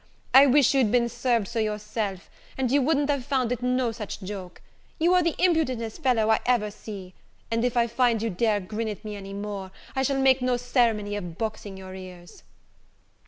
I wish you'd been served so yourself, and you wouldn't have found it no such joke; you are the impudentest fellow ever I see; and if I find you dare grin at me any more, I shall make no ceremony of boxing your ears."